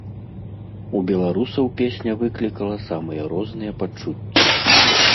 У беларусаў песня выклікала самыя розныя пачуцці.